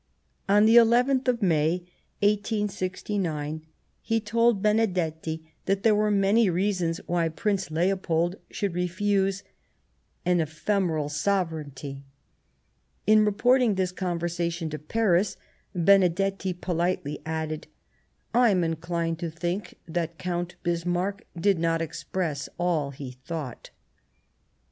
On the nth of May, 1S69, he told Benedetti that 119 Bismarck there were many reasons why Prince Leopold should refuse " an ephemeral sovereignty." In reporting this conversation to Paris, Benedetti politely added :" I am inclined to think that Count Bismarck did not express all he thought."